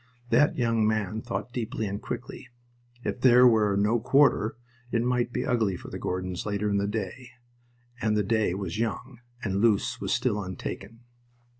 That young man thought deeply and quickly. If there were "no quarter" it might be ugly for the Gordons later in the day, and the day was young, and Loos was still untaken.